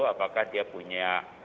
apakah dia punya